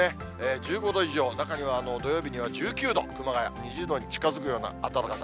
１５度以上、中には土曜日には１９度、熊谷２０度に近づくような暖かさ。